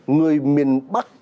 người miền bắc